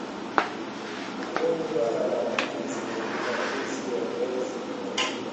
Magonjwa ya maambukizi na uvamizi wa ngozi kwa jumla